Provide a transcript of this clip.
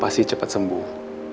kamu pasti cepat sembuh